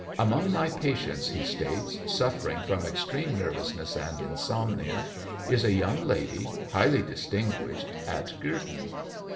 "Among my patients," he states, "suffering from extreme nervousness and insomnia, is a young lady, highly distinguished, at Girton.